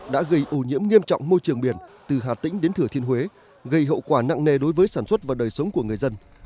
bộ nhiễm nghiêm trọng môi trường biển từ hà tĩnh đến thừa thiên huế gây hậu quả nặng nề đối với sản xuất và đời sống của người dân